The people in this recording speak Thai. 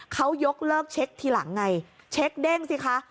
เขายกเลิกเช็คทีหลังไงเช็คเด้งสิคะ